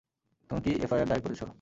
তুমি কি এফআইআর দায়ের করেছ?